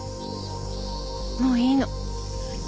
もういいの。